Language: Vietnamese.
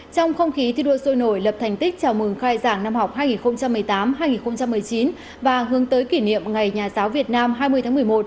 trong không khí thi đua sôi nổi lập thành tích chào mừng khai giảng năm học hai nghìn một mươi tám hai nghìn một mươi chín và hướng tới kỷ niệm ngày nhà giáo việt nam hai mươi tháng một mươi một